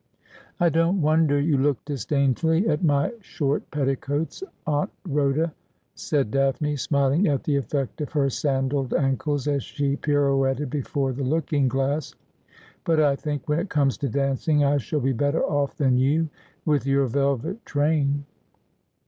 ' I don't wonder you look disdainfully at my short petticoats, Aunt Rhoda,' said Daphne, smiling at the effect of her sandalled ankles as she pirouetted before the looking glass ;' but I think, when it comes to dancing, I shall be better off than you with your velvet train.'